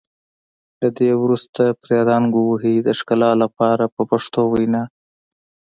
له دې وروسته پرې رنګ ووهئ د ښکلا لپاره په پښتو وینا.